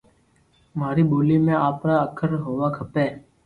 ماري ٻولي ۾ آپرا اکر ھووا کپي